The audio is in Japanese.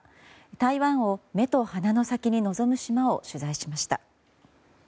台湾を目と鼻の先に臨む島を取材しました。